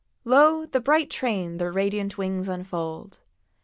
Lo, the bright train their radiant wings unfold!